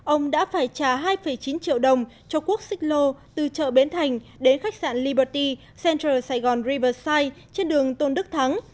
ông đã phải trả hai chín triệu đồng cho quốc xích lô từ chợ bến thành đến khách sạn liberty central sài gòn riverside trên đường tôn đức thắng